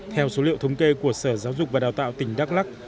theo số liệu thống kê của sở giáo dục và đào tạo tỉnh đắk lắc